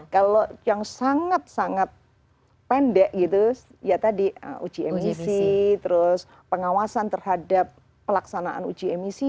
kalau yang sangat sangat pendek gitu ya tadi uji emisi terus pengawasan terhadap pelaksanaan uji emisi